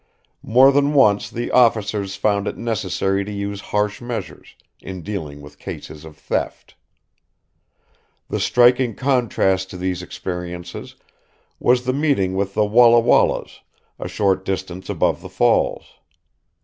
More than once the officers found it necessary to use harsh measures, in dealing with cases of theft. In striking contrast to these experiences was the meeting with the Walla Wallas, a short distance above the Falls.